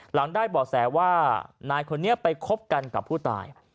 หลังได้บ่อแสว่านายคนนี้ไปคบกันกับผู้ตาย